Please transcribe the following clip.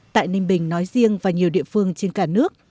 tại ninh bình nói riêng và nhiều địa phương trên cả nước